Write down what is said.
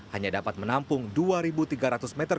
hanya dapat menampung dua rintangan